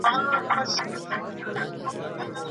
د مغفرت سپين غمـــي چــــا ولــــــــــــــــــرل ؟